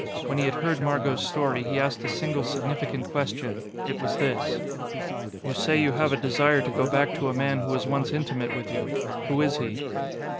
When he had heard Margot's story, he asked a single significant question. It was this: "You say you have a desire to go back to a man who was once intimate with you. Who is he?"